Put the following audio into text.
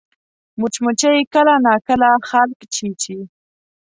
مچمچۍ کله ناکله خلک چیچي